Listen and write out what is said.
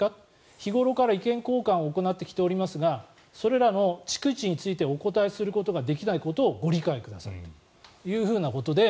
日頃から意見交換を行ってきておりますがそれらの逐一についてお答えすることができないことをご理解くださいというふうなことで。